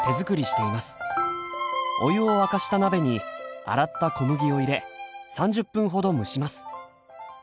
お湯を沸かした鍋に洗った小麦を入れ３０分ほど蒸します。